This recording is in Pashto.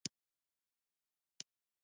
آیا په اوړي کې ځنګلونه اور نه اخلي؟